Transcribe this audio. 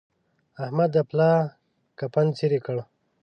احمد دا پلا کفن څيرې کړ.